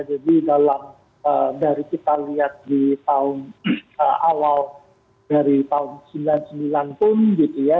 jadi dalam dari kita lihat di tahun awal dari tahun seribu sembilan ratus sembilan puluh sembilan pun gitu ya